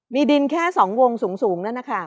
มีดินแค่สองวงสูงนั่นนะค่ะครับ